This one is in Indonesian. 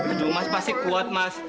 aduh mas masih kuat mas